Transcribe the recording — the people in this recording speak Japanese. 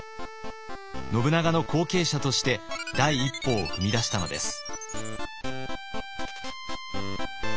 信長の後継者として第一歩を踏み出したのです。